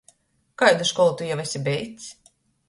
Kaidu školu tu jau esi beidzs?